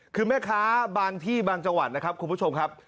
คือแม่ค้าบางที่บางจังหวัดนะครับคุณผู้ชมครับ